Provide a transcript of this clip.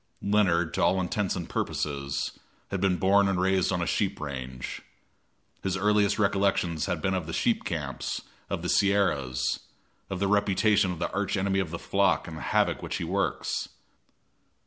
Leonard, to all intents and purposes, had been born and raised on a sheep range. His earliest recollections had been of the sheep camps of the Sierras, of the reputation of the arch enemy of the flock and of the havoc which he works.